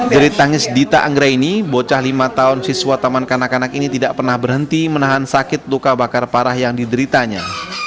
dari tangis dita anggraini bocah lima tahun siswa taman kanak kanak ini tidak pernah berhenti menahan sakit luka bakar parah yang dideritanya